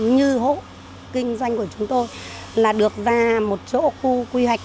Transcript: như hộ kinh doanh của chúng tôi là được ra một chỗ khu quy hoạch